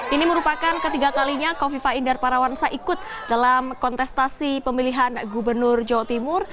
ini merupakan ketiga kalinya kofifa indar parawansa ikut dalam kontestasi pemilihan gubernur jawa timur